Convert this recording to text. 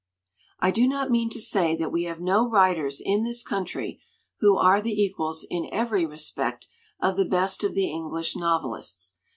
"I do not mean to say that we have no writers in this country who are the equals in every respect of the best of the English novelists.